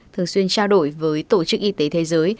thường xuyên trao đổi với tổ chức y tế thế giới